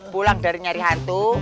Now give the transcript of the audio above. pulang dari nyari hantu